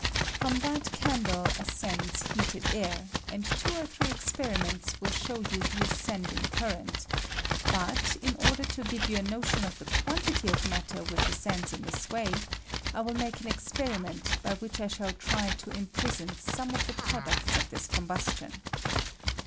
From that candle ascends heated air, and two or three experiments will show you the ascending cur rent; but, in order to give you a notion of the quantity of matter which ascends in this way, I will make an experiment by which I shall try to imprison some of the products of this 1 J THE FIEE BALLOON. combustion.